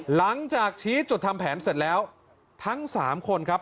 หลังจากชี้จุดทำแผนเสร็จแล้วทั้งสามคนครับ